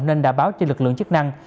nên đã báo cho lực lượng chức năng